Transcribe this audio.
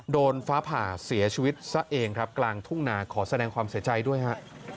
โดนฟ้าผ่าเสียชีวิตซะเองครับกลางทุ่งนาขอแสดงความเสียใจด้วยฮะ